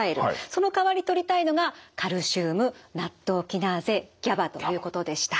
そのかわりとりたいのがカルシウムナットウキナーゼＧＡＢＡということでした。